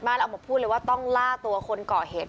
พี่บ้านไม่อยู่ว่าพี่คิดดูด